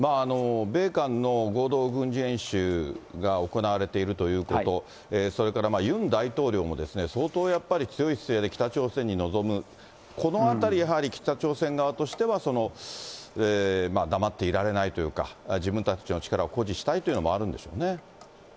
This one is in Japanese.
米韓の合同軍事演習が行われているということ、それからユン大統領も、相当やっぱり強い姿勢で北朝鮮に臨む、このあたり、やはり北朝鮮側としては黙っていられないというか、自分たちの力を誇示したいというのもあるんでしょうね。